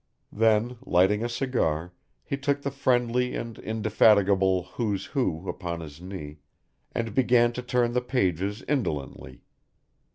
Then lighting a cigar, he took the friendly and indefatigable "Who's Who" upon his knee, and began to turn the pages indolently.